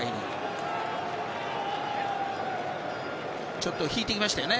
ちょっと引いてきましたね。